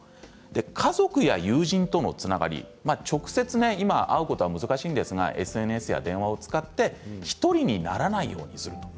家族や友人とのつながり直接、今、会うことは難しいんですがＳＮＳや電話を使って１人にならないようにする。